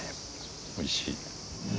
おいしい。